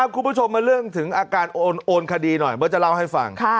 คุณผู้ชมมาเรื่องถึงอาการโอนคดีหน่อยเบิร์ตจะเล่าให้ฟัง